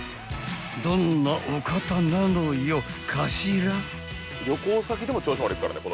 ［どんなお方なのよかしら］